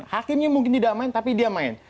hakimnya mungkin tidak main tapi dia main